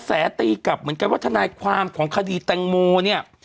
ตีกลับเหมือนกันว่าทนายความของคดีแตงโมเนี่ย